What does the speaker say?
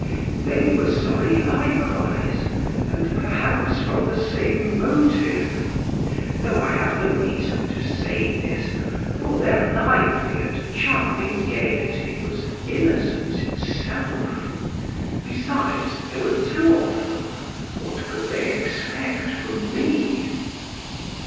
They were sorry likewise, and perhaps from the same motive; though I have no reason to say this, for their lively and charming gayety was innocence itself; besides, there were two of them, what could they expect from me?